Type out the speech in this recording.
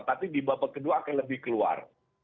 tapi di babak kedua akan lebih keluar